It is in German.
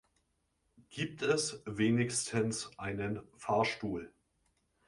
Gibt es wenigstens einen Fahrstuhl?